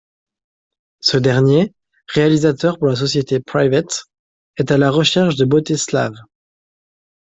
Ce dernier, réalisateur pour la société Private, est à la recherche de beautés slaves.